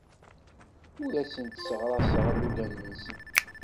Ur asent-sseɣraseɣ alugen-nsent.